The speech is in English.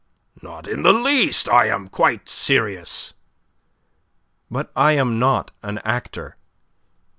"Not in the least. I am quite serious." "But I am not an actor."